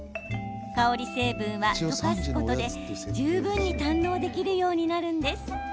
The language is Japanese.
香り成分は溶かすことで十分に堪能できるようになるんです。